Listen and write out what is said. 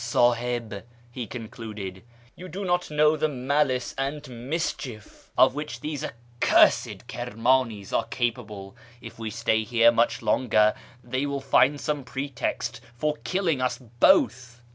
" Sahib," he concluded, " you do not know the malice and mischief of which these accursed Kirmanis are capable ; if we stay here much longer they will find some pretext for killing us both."